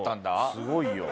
すごいよ。